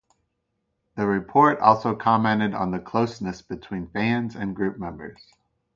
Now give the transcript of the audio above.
The report also commented on the closeness between fans and group members.